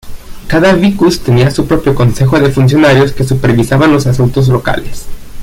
Cada vicus tenía su propio consejo de funcionarios que supervisaban los asuntos locales.